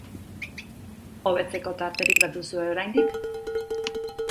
Hobetzeko tarterik baduzue oraindik?